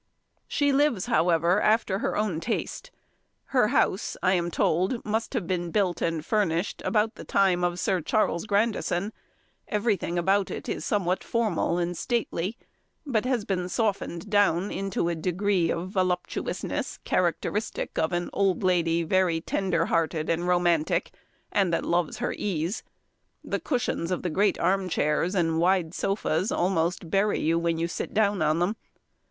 She lives, however, after her own taste. Her house, I am told, must have been built and furnished about the time of Sir Charles Grandison: everything about it is somewhat formal and stately; but has been softened down into a degree of voluptuousness, characteristic of an old lady very tender hearted and romantic, and that loves her ease. The cushions of the great arm chairs, and wide sofas, almost bury you when you sit down on them.